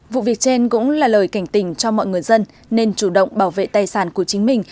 vụ việc trên cũng là lời cảnh tình cho mọi người dân nên chủ động bảo vệ tài sản của chính mình